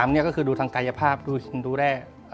๓เนี่ยก็คือดูทางกายภาพดูแร่